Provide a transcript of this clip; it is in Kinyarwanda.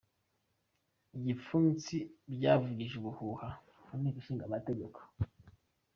Ibipfunsi byavugije ubuhuha mu nteko ishinga amategeko